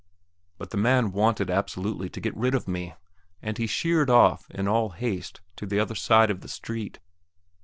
But the man wanted absolutely to get rid of me, and he sheered off, in all haste, to the other side of the street.